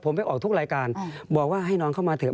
ผมไปออกทุกรายการบอกว่าให้นอนเข้ามาเถอ